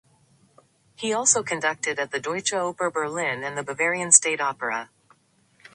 He also conducted at the Deutsche Oper Berlin and the Bavarian State Opera.